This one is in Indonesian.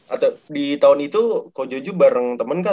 atau di tahun itu ko jojo bareng temen kah